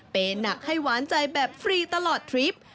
หนักให้หวานใจแบบฟรีตลอดทริป